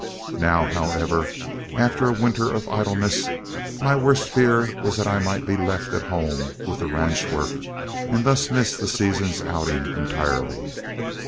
Now, however, after a winter of idleness, my worst fear was that I might be left at home with the ranch work, and thus miss the season's outing entirely.